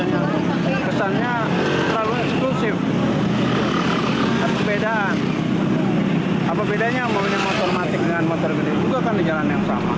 jalan sudirman tamrin